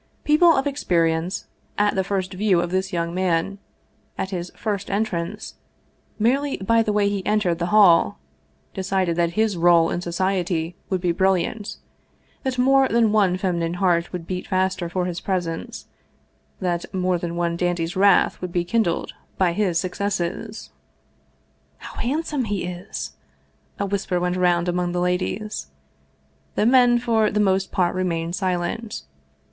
People of experience, at the first view of this young man, at his first entrance, merely by the way he entered the hall, decided that his role in society would be brilliant that more than one feminine heart would beat faster for his presence, that more than one dandy's wrath would be kindled by his successes. " How handsome he is !" a whisper went round among the ladies. The men for the most part remained silent.